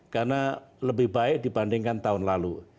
karena lebih baik dibandingkan tahun lalu